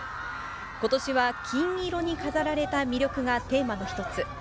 ことしは、金色に飾られた魅力がテーマの一つ。